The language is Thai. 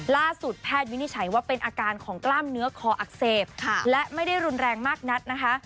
แพทย์วินิจฉัยว่าเป็นอาการของกล้ามเนื้อคออักเสบและไม่ได้รุนแรงมากนักนะคะ